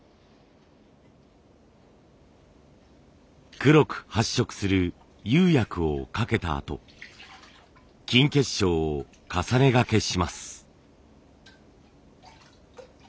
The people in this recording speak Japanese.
黒く発色する釉薬をかけたあと金結晶を重ねがけします。